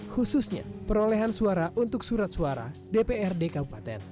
khususnya perolehan suara untuk surat suara dprd kabupaten